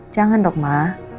jangan dok ma